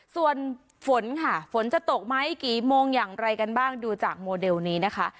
ส่วนฝนค่ะฝนจะตกไหมกี่โมงอย่างไรกันบ้างดูจากโมเดลนี้นะคะ